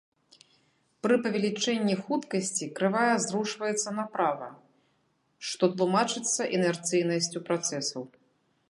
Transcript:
Пры павелічэнні хуткасці крывая зрушваецца направа, што тлумачыцца інерцыйнасцю працэсаў.